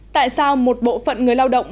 tại sao một bộ phận người lao động